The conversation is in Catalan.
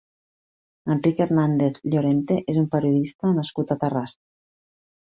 Enric Hernàndez Llorente és un periodista nascut a Terrassa.